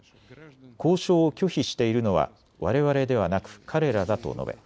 交渉を拒否しているのはわれわれではなく彼らだと述べ